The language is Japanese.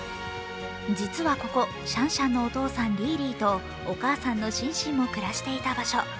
実はここ、シャンシャンのお父さんリーリーと、お母さんのシンシンも暮らしていた場所。